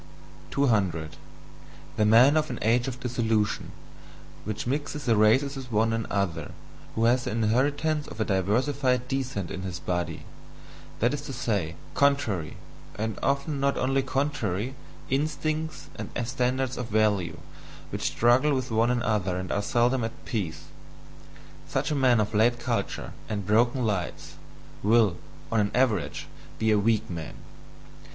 200. The man of an age of dissolution which mixes the races with one another, who has the inheritance of a diversified descent in his body that is to say, contrary, and often not only contrary, instincts and standards of value, which struggle with one another and are seldom at peace such a man of late culture and broken lights, will, on an average, be a weak man.